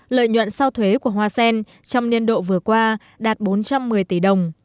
lợi nhuận sau thuế của hoa sen trong niên độ vừa qua đạt bốn trăm một mươi tỷ đồng